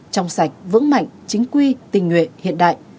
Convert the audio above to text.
trong sạch vững mạnh chính quy tình nguyện hiện đại